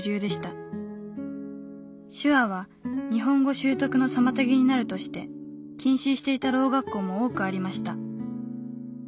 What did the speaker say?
手話は日本語習得の妨げになるとして禁止していたろう学校も多くありました。